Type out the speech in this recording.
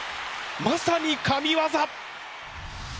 まさに神業！